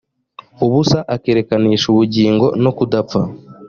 ubusa akerekanisha ubugingo no kudapfa